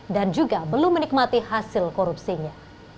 dan juga belum menikmati hasil korupsinya